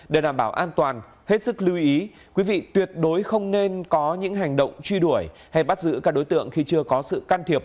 để đảm bảo an toàn hết sức lưu ý quý vị tuyệt đối không nên có những hành động truy đuổi hay bắt giữ các đối tượng khi chưa có sự can thiệp